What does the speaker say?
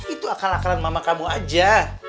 itu akal akalan mama kamu aja